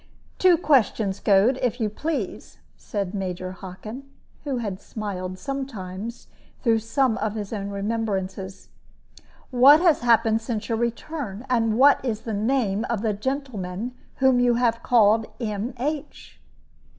"Two questions, Goad, if you please," said Major Hockin, who had smiled sometimes, through some of his own remembrances; "what has happened since your return, and what is the name of the gentleman whom you have called 'M.H.?'"